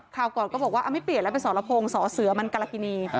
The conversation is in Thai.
ก่อนก็บอกว่าไม่เปลี่ยนแล้วเป็นสรพงศ์สอเสือมันกรกินี